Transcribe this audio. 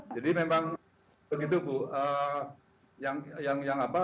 jadi memang begitu bu